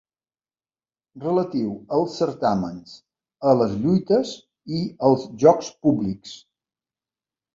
Relatiu als certàmens, a les lluites i als jocs públics.